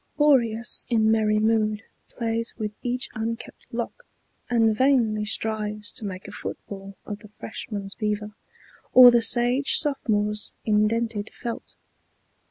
Boreas in merry mood Plays with each unkempt lock, and vainly strives To make a football of the Freshman's beaver, Or the sage Sophomore's indented felt.